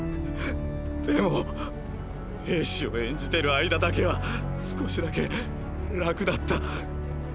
でも兵士を演じてる間だけは少しだけ楽だった。